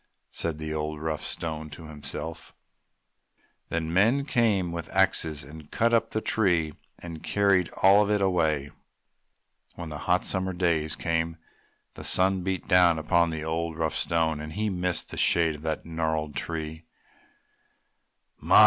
said the old, rough Stone to himself. Then men came with axes and cut up the tree and carried all of it away. When the hot summer days came the sun beat down upon the old, rough Stone and he missed the shade of the gnarled tree. "My!